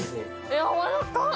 やわらか。